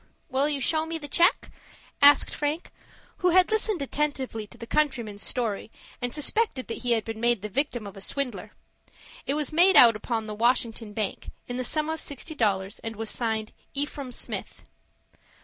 "Will you show me the check?" asked Frank, who had listened attentively to the countryman's story, and suspected that he had been made the victim of a swindler. It was made out upon the "Washington Bank," in the sum of sixty dollars, and was signed "Ephraim Smith."